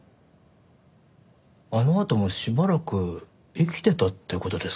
あのあともしばらく生きてたって事ですか？